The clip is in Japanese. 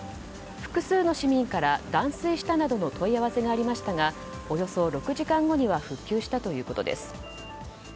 複数の市民から、断水したなどの問い合わせがありましたがおよそ６時間後には復旧したということです。